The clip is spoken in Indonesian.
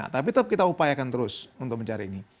tapi tetap kita upayakan terus untuk mencari ini